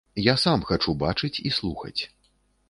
Я сам хачу бачыць і слухаць.